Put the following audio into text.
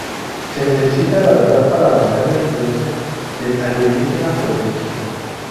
Se necesita la verdad para romper la influencia del alienígena sobre el chico.